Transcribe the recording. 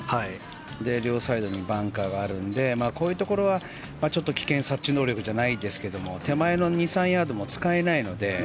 で、両サイドにバンカーがあるのでこういうところはちょっと危険察知能力じゃないですが手前の２３ヤードも使えないので。